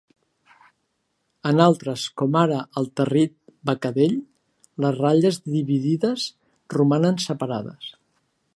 En altres, com ara el territ becadell, les ratlles dividides romanen separades.